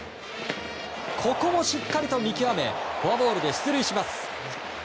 ここもしっかりと見極めフォアボールで出塁します。